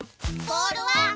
ボールは！？